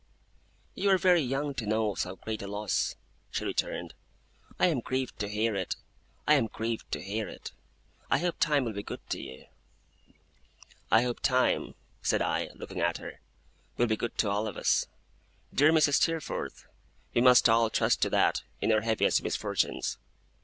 'You are very young to know so great a loss,' she returned. 'I am grieved to hear it. I am grieved to hear it. I hope Time will be good to you.' 'I hope Time,' said I, looking at her, 'will be good to all of us. Dear Mrs. Steerforth, we must all trust to that, in our heaviest misfortunes.